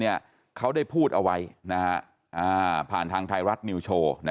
เนี่ยเขาได้พูดเอาไว้นะอ่าผ่านทางไทยรัฐนิวโชว์นะ